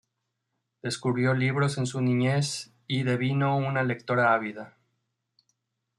Descubrió libros en su niñez y devino en una lectora ávida.